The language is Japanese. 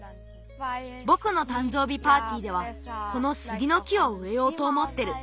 ぼくのたんじょうびパーティーではこのスギの木をうえようとおもってる。